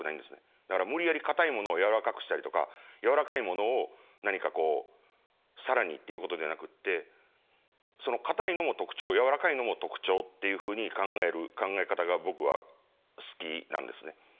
だから無理やりかたいものをやわらかくしたりとかやわらかいものを何かこう更にっていうことではなくってそのかたいのも特徴やわらかいのも特徴っていうふうに考える考え方が僕は好きなんですね。